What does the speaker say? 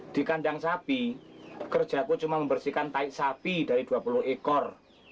di kandang sapi kerjaku cuma membersihkan sapi dari dua puluh ekor